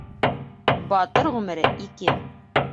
Батыр ғүмере ике.